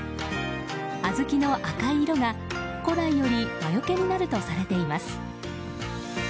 小豆の赤い色が古来より魔除けになるとされています。